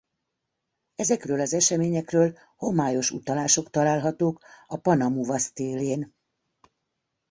Ezekről az eseményekről homályos utalások találhatók a Panamuva-sztélén.